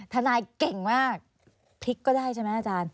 ทนายเก่งมากพลิกก็ได้ใช่ไหมอาจารย์